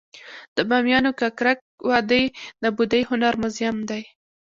د بامیانو ککرک وادي د بودايي هنر موزیم دی